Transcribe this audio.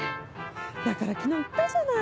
だから昨日言ったじゃない！